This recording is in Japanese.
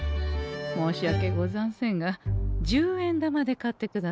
申し訳ござんせんが十円玉で買ってくださんせ。